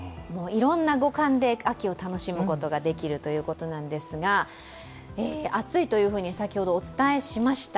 いろんな五感で秋を楽しむことができるということなんですが、暑いと先ほどお伝えしました。